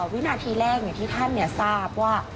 วินาทีแรกที่ท่านทราบว่า